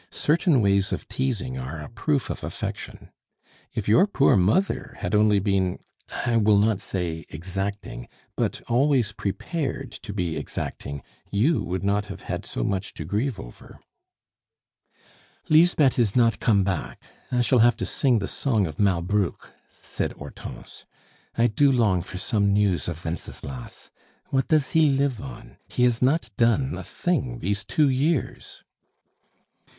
Certain ways of teasing are a proof of affection. If your poor mother had only been I will not say exacting, but always prepared to be exacting, you would not have had so much to grieve over." "Lisbeth is not come back. I shall have to sing the song of Malbrouck," said Hortense. "I do long for some news of Wenceslas! What does he live on? He has not done a thing these two years."